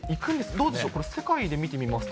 どうでしょう、これ、世界で見てみますと。